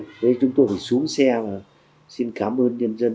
thế chúng tôi phải xuống xe và xin cảm ơn nhân dân